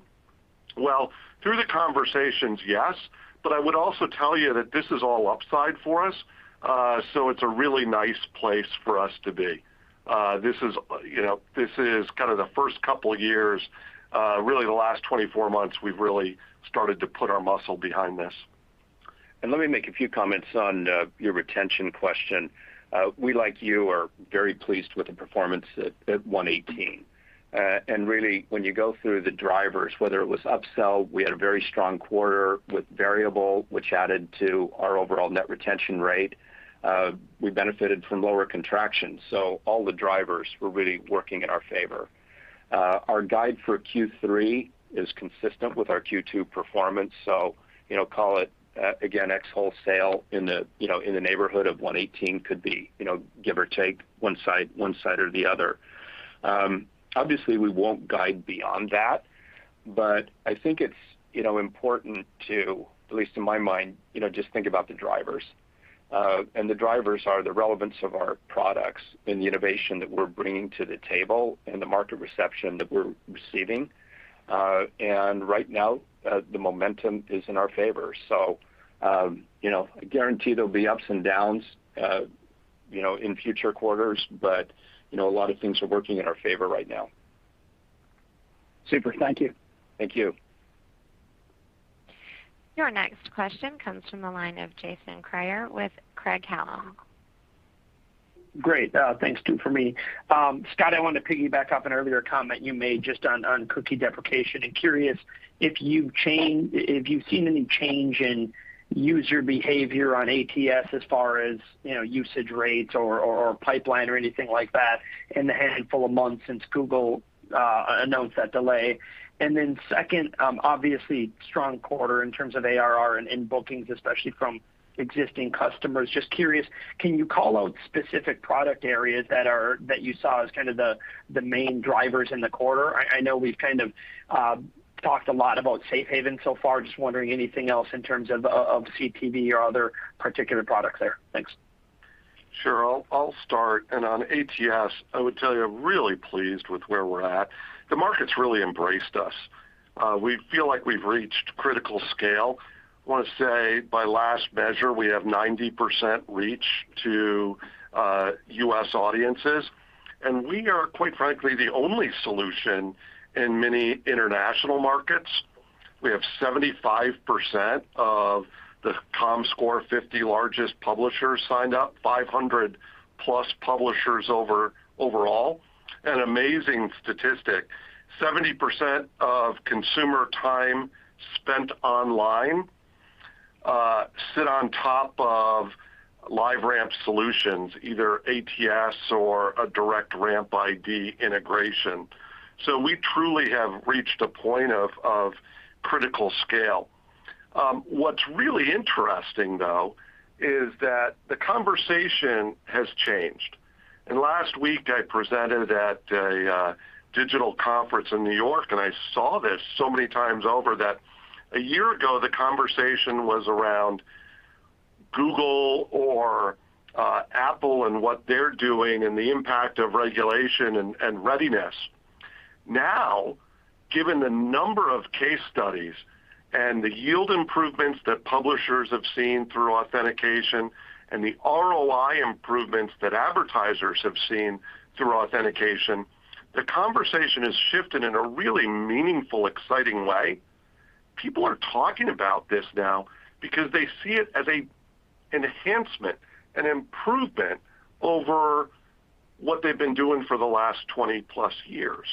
Well, through the conversations, yes. I would also tell you that this is all upside for us, so it's a really nice place for us to be. This is, you know, kind of the first couple years, really the last 24 months we've really started to put our muscle behind this. Let me make a few comments on your retention question. We, like you, are very pleased with the performance at 118. Really, when you go through the drivers, whether it was upsell, we had a very strong quarter with variable, which added to our overall net retention rate. We benefited from lower contraction, so all the drivers were really working in our favor. Our guide for Q3 is consistent with our Q2 performance. You know, call it again, ex-wholesale in the neighborhood of 118 could be, you know, give or take one side or the other. Obviously, we won't guide beyond that, but I think it's important to, at least in my mind, you know, just think about the drivers. The drivers are the relevance of our products and the innovation that we're bringing to the table and the market reception that we're receiving. Right now, the momentum is in our favor. You know, I guarantee there'll be ups and downs, you know, in future quarters, but, you know, a lot of things are working in our favor right now. Super. Thank you. Thank you. Your next question comes from the line of Jason Kreyer with Craig-Hallum. Great. Thanks, too, for me. Scott, I wanted to piggyback off an earlier comment you made just on cookie deprecation. Curious if you've seen any change in user behavior on ATS as far as, you know, usage rates or pipeline or anything like that in the handful of months since Google announced that delay. Then second, obviously strong quarter in terms of ARR and in bookings, especially from existing customers. Just curious, can you call out specific product areas that you saw as kind of the main drivers in the quarter? I know we've kind of talked a lot about Safe Haven so far. Just wondering anything else in terms of CTV or other particular products there. Thanks. Sure. I'll start. On ATS, I would tell you I'm really pleased with where we're at. The market's really embraced us. We feel like we've reached critical scale. I wanna say by last measure, we have 90% reach to U.S. audiences, and we are, quite frankly, the only solution in many international markets. We have 75% of the Comscore 50 largest publishers signed up, 500+ publishers overall. An amazing statistic, 70% of consumer time spent online sit on top of LiveRamp solutions, either ATS or a direct RampID integration. We truly have reached a point of critical scale. What's really interesting, though, is that the conversation has changed. Last week, I presented at a digital conference in New York, and I saw this so many times over that a year ago, the conversation was around Google or Apple and what they're doing and the impact of regulation and readiness. Now, given the number of case studies and the yield improvements that publishers have seen through authentication and the ROI improvements that advertisers have seen through authentication, the conversation has shifted in a really meaningful, exciting way. People are talking about this now because they see it as a enhancement and improvement over what they've been doing for the last 20-plus years.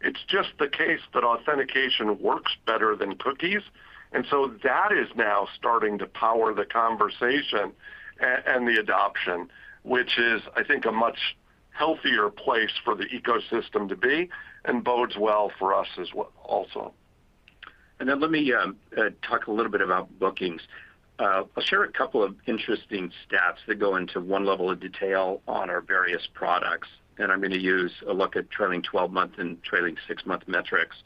It's just the case that authentication works better than cookies, and so that is now starting to power the conversation and the adoption, which is, I think, a much healthier place for the ecosystem to be and bodes well for us as well also. Let me talk a little bit about bookings. I'll share a couple of interesting stats that go into one level of detail on our various products, and I'm gonna use to look at trailing 12-month and trailing six-month metrics.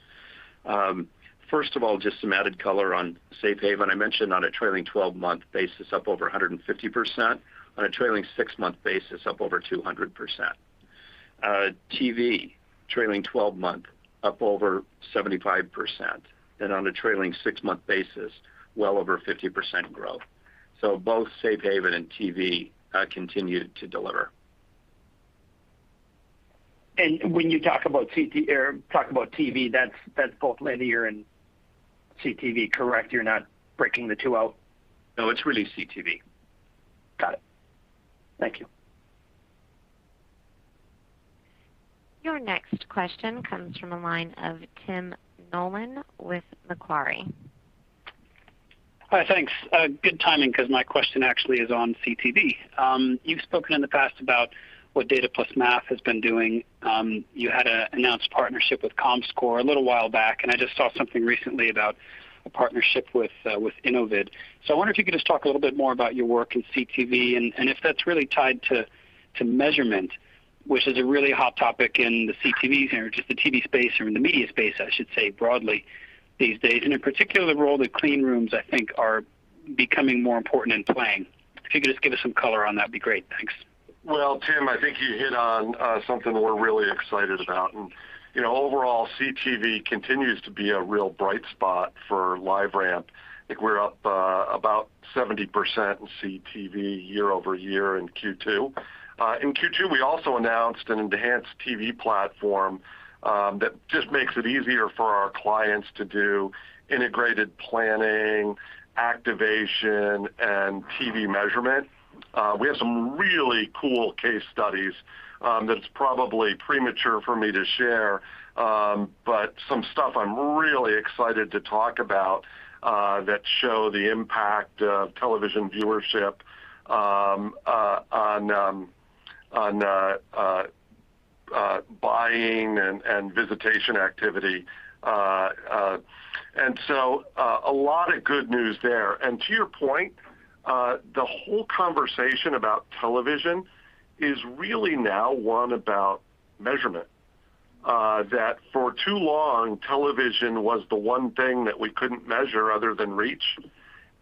First of all, just some added color on Safe Haven. I mentioned on a trailing 12-month basis, up over 150%. On a trailing six-month basis, up over 200%. CTV, trailing 12-month, up over 75%. On a trailing six-month basis, well over 50% growth. Both Safe Haven and CTV continue to deliver. When you talk about CTV or talk about TV, that's both linear and CTV, correct? You're not breaking the two out. No, it's really CTV. Got it. Thank you. Your next question comes from the line of Tim Nollen with Macquarie. Hi, thanks. Good timing because my question actually is on CTV. You've spoken in the past about what Data Plus Math has been doing. You announced a partnership with Comscore a little while back, and I just saw something recently about a partnership with Innovid. I wonder if you could just talk a little bit more about your work in CTV and if that's really tied to measurement, which is a really hot topic in the CTV or just the TV space or in the media space, I should say broadly these days. In particular, the role that clean rooms, I think, are becoming more important in playing. If you could just give us some color on that, be great. Thanks. Well, Tim, I think you hit on something we're really excited about and, you know, overall, CTV continues to be a real bright spot for LiveRamp. I think we're up about 70% in CTV quarter-over-quarter in Q2. In Q2, we also announced an enhanced TV platform that just makes it easier for our clients to do integrated planning, activation, and TV measurement. We have some really cool case studies that it's probably premature for me to share, but some stuff I'm really excited to talk about that show the impact of television viewership on buying and visitation activity. A lot of good news there. To your point, the whole conversation about television is really now one about measurement. That, for too long, television was the one thing that we couldn't measure other than reach.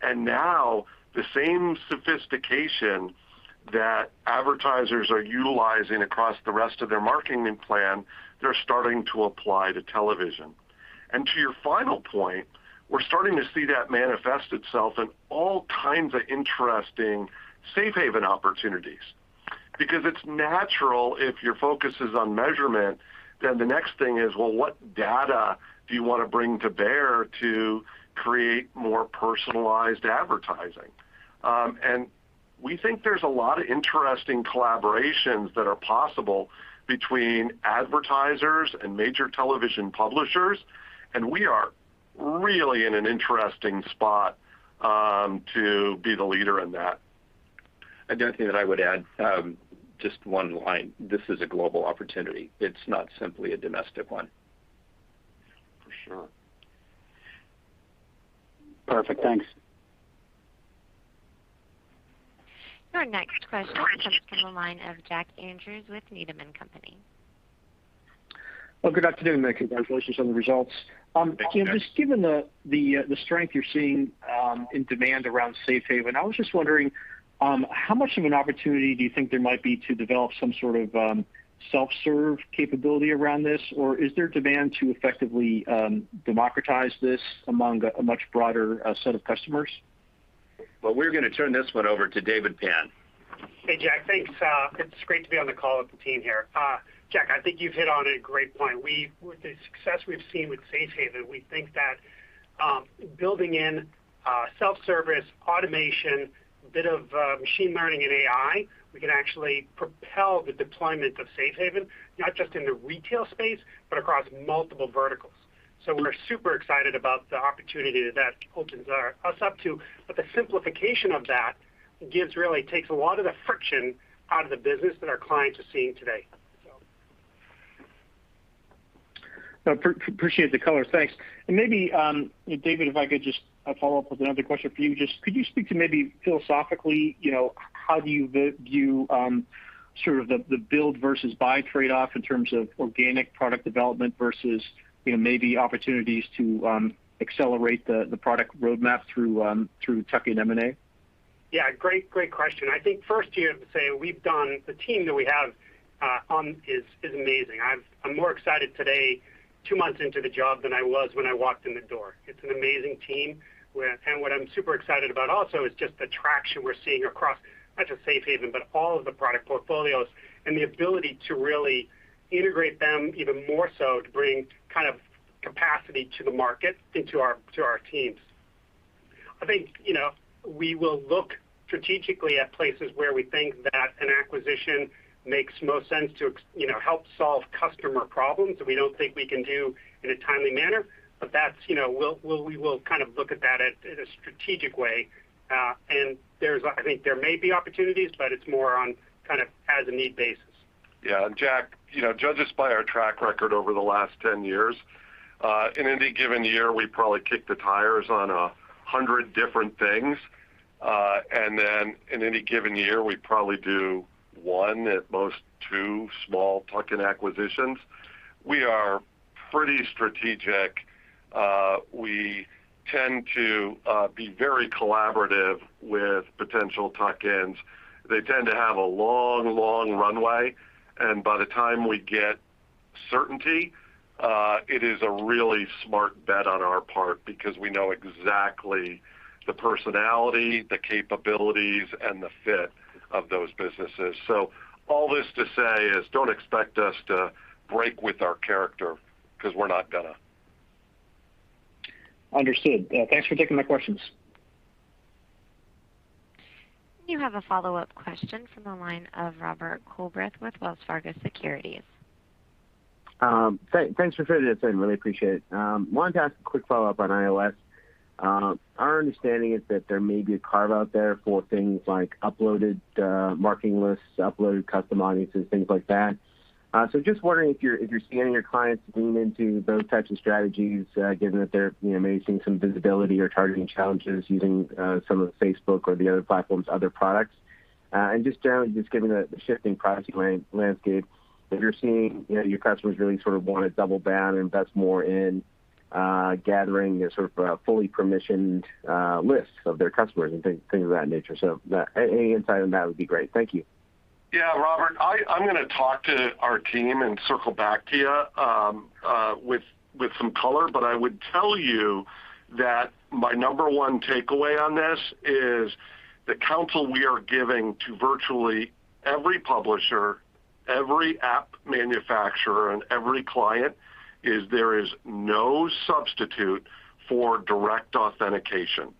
Now the same sophistication that advertisers are utilizing across the rest of their marketing plan, they're starting to apply to television. To your final point, we're starting to see that manifest itself in all kinds of interesting Safe Haven opportunities. Because it's natural if your focus is on measurement, then the next thing is, well, what data do you want to bring to bear to create more personalized advertising? We think there's a lot of interesting collaborations that are possible between advertisers and major television publishers, and we are really in an interesting spot to be the leader in that. The only thing that I would add, just one line. This is a global opportunity. It's not simply a domestic one. For sure. Perfect. Thanks. Your next question comes from the line of Jack Andrews with Needham & Company. Well, good afternoon. My congratulations on the results. Thank you, Jack. Just given the strength you're seeing in demand around Safe Haven, I was just wondering how much of an opportunity do you think there might be to develop some sort of self-serve capability around this? Or is there demand to effectively democratize this among a much broader set of customers? Well, we're gonna turn this one over to David Pann. Hey, Jack. Thanks. It's great to be on the call with the team here. Jack, I think you've hit on a great point. With the success we've seen with Safe Haven, we think that building in self-service, automation, bit of machine learning and AI, we can actually propel the deployment of Safe Haven, not just in the retail space, but across multiple verticals. We're super excited about the opportunity that opens us up to. The simplification of that really takes a lot of the friction out of the business that our clients are seeing today. Appreciate the color. Thanks. Maybe, David Pann, if I could just follow-up with another question for you. Just could you speak to maybe philosophically, you know, how do you view sort of the build versus buy trade-off in terms of organic product development versus, you know, maybe opportunities to accelerate the product roadmap through tuck in M&A? Yeah. Great question. I think first here to say the team that we have on is amazing. I'm more excited today, two months into the job than I was when I walked in the door. It's an amazing team. What I'm super excited about also is just the traction we're seeing across not just Safe Haven, but all of the product portfolios and the ability to really integrate them even more so to bring kind of capacity to the market to our teams. I think, you know, we will look strategically at places where we think that an acquisition makes most sense to, you know, help solve customer problems that we don't think we can do in a timely manner. That's, you know, we'll we will kind of look at that in a strategic way. There's, I think, there may be opportunities, but it's more on kind of as a need basis. Yeah. Jack, you know, judge us by our track record over the last 10 years. In any given year, we probably kick the tires on 100 different things. Then in any given year, we probably do one, at most two small tuck-in acquisitions. We are pretty strategic. We tend to be very collaborative with potential tuck-ins. They tend to have a long, long runway. By the time we get certainty, it is a really smart bet on our part because we know exactly the personality, the capabilities, and the fit of those businesses. All this to say is don't expect us to break with our character because we're not gonna. Understood. Thanks for taking my questions. You have a follow-up question from the line of Drew Borst with Wells Fargo Securities. Thanks for fitting us in. Really appreciate it. I wanted to ask a quick follow-up on iOS. Our understanding is that there may be a carve-out there for things like uploaded marketing lists, uploaded custom audiences, things like that. Just wondering if you're seeing your clients lean into those types of strategies, given that they're, you know, maybe seeing some visibility or targeting challenges using some of Facebook or the other platforms, other products. Just generally, just given the shifting product landscape, if you're seeing, you know, your customers really sort of wanna double down, invest more in gathering sort of a fully permissioned lists of their customers and things of that nature. Any insight on that would be great. Thank you. Yeah. Drew Borst, I'm gonna talk to our team and circle back to you with some color. I would tell you that my number one takeaway on this is the counsel we are giving to virtually every publisher, every app manufacturer, and every client is there is no substitute for direct authentication.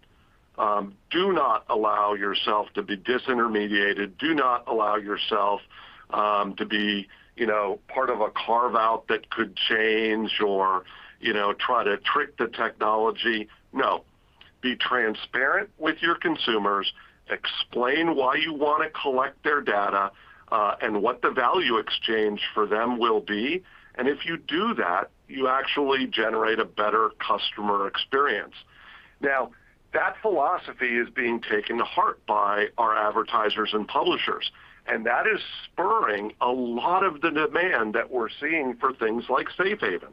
Do not allow yourself to be disintermediated. Do not allow yourself to be, you know, part of a carve-out that could change or, you know, try to trick the technology. No. Be transparent with your consumers. Explain why you wanna collect their data and what the value exchange for them will be. If you do that, you actually generate a better customer experience. Now, that philosophy is being taken to heart by our advertisers and publishers, and that is spurring a lot of the demand that we're seeing for things like Safe Haven.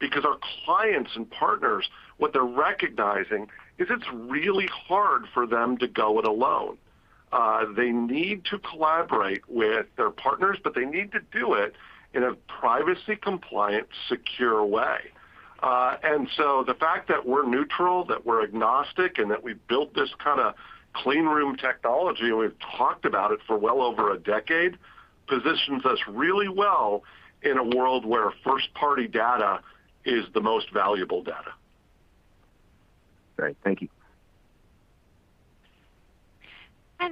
Because our clients and partners, what they're recognizing is it's really hard for them to go it alone. They need to collaborate with their partners, but they need to do it in a privacy-compliant, secure way. The fact that we're neutral, that we're agnostic, and that we built this kinda clean room technology, and we've talked about it for well over a decade, positions us really well in a world where first-party data is the most valuable data. Great. Thank you.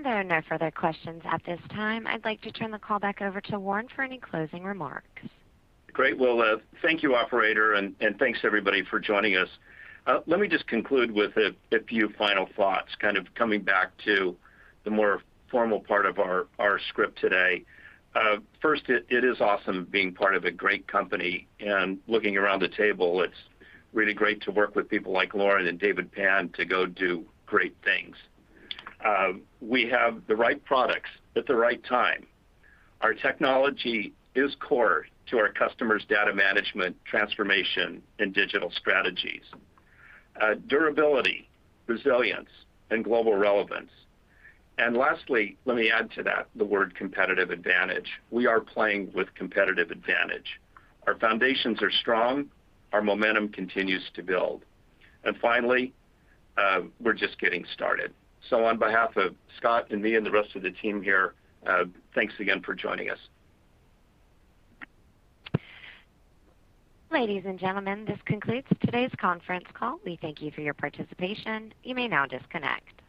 There are no further questions at this time. I'd like to turn the call back over to Warren for any closing remarks. Great. Well, thank you, operator, and thanks everybody for joining us. Let me just conclude with a few final thoughts kind of coming back to the more formal part of our script today. First, it is awesome being part of a great company and looking around the table, it's really great to work with people like Lauren and David Pann to go do great things. We have the right products at the right time. Our technology is core to our customers' data management transformation and digital strategies, durability, resilience, and global relevance. Lastly, let me add to that the word competitive advantage. We are playing with competitive advantage. Our foundations are strong. Our momentum continues to build. Finally, we're just getting started. On behalf of Scott and me and the rest of the team here, thanks again for joining us. Ladies and gentlemen, this concludes today's conference call. We thank you for your participation. You may now disconnect.